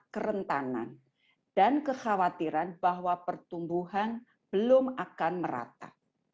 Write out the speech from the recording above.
kerentanan dan kekhawatiran bahwa pertumbuhan belum akan merata